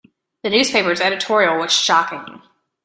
The newspaper's editorial was shocking.